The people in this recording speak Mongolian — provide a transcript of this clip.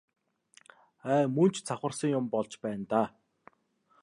Ай мөн ч завхарсан юм болж байна даа.